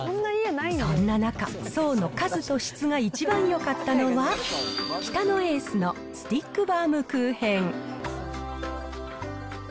そんな中、層の数と質が一番よかったのは、北野エースのスティックバウムクーヘン。